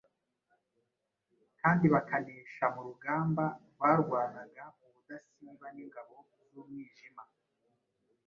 kandi bakanesha mu rugamba barwanaga ubudasiba n’ingabo z’umwijima.